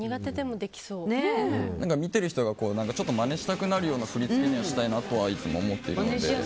見てる人がまねしたくなるような振り付けにはしたいなとはいつも思っているので。